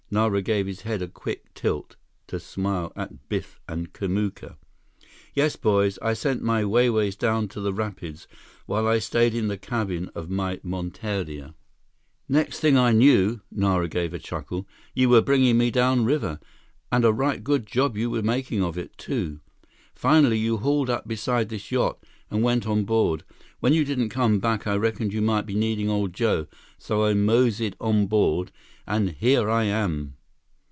Nara gave his head a quick tilt, to smile at Biff and Kamuka. "Yes, boys, I sent my Wai Wais down to the rapids, while I stayed in the cabin of my monteria. "Next thing I knew"—Nara gave a chuckle—"you were bringing me downriver, and a right good job you were making of it, too. Finally, you hauled up beside this yacht and went on board. When you didn't come back, I reckoned you might be needing old Joe, so I moseyed on board, and here I am."